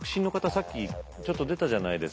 さっきちょっと出たじゃないですか。